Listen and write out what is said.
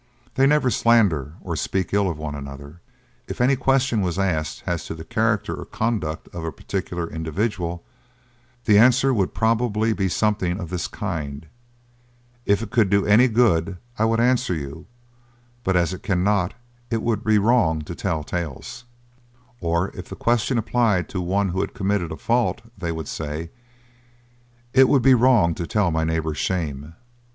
They never slander or speak ill of one another. If any question was asked as to the character or conduct of a particular individual, the answer would probably be something of this kind, 'If it could do any good, I would answer you; but as it cannot, it would be wrong to tell tales'; or if the question applied to one who had committed a fault, they would say, 'It would be wrong to tell my neighbour's shame.'